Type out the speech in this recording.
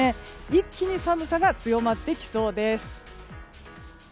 一気に寒さが強まってきそうです。